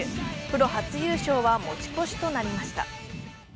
プロ初優勝は持ち越しとなりました。